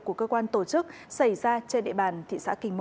của cơ quan tổ chức xảy ra trên địa bàn thị xã kinh môn